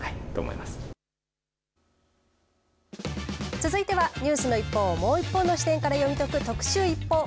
続いてはニュースの一報をもう一方の視点から読み解く特集ＩＰＰＯＵ。